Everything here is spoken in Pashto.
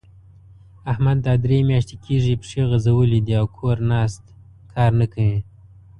احمد دا درې مياشتې کېږي؛ پښې غځولې دي او کور ناست؛ کار نه کوي.